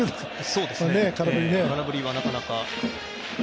空振りはなかなか。